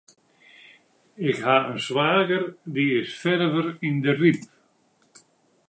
Ik ha in swager, dy is ferver yn de Ryp.